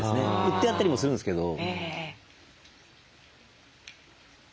売ってあったりもするんですけど。